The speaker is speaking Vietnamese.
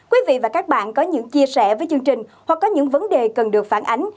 quý vị và các bạn có những chia sẻ với chương trình hoặc có những vấn đề cần được phản ánh